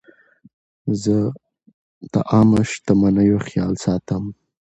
زه د عامه شتمنیو خیال ساتم.